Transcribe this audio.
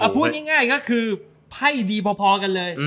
พูดง่ายก็คือไพ่ดีพอกันเลย